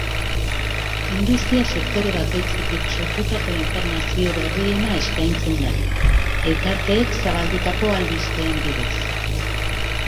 Industria-sektore bakoitzetik sortutako informazio berriena eskaintzen da, elkarteek zabaldutako albisteen bidez.